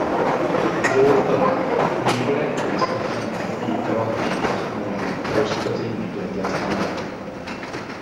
Fodd bynnag, ni wireddwyd cynlluniau i ddyroddi gorchmynion post Prydeinig ledled Canada.